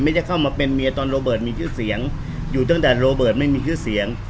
จะเข้ามาเป็นเมียตอนโรเบิร์ตมีชื่อเสียงอยู่ตั้งแต่โรเบิร์ตไม่มีชื่อเสียง